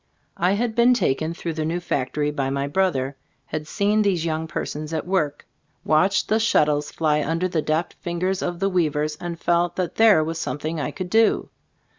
I had been taken through the new factory by my brother ; had seen these young persons at work; watched the shuttles fly under the deft fingers of the weavers, and felt that there was something I could do.